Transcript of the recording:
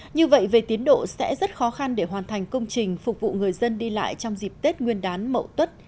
như vậy về tiến độ sẽ rất khó khăn để hoàn thành công trình phục vụ người dân đi lại trong dịp tết nguyên đán mậu tuất hai nghìn một mươi tám